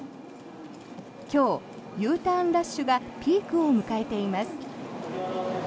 今日、Ｕターンラッシュがピークを迎えています。